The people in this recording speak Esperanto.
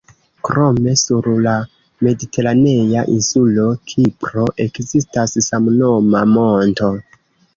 Krome, sur la mediteranea insulo Kipro ekzistas samnoma monto.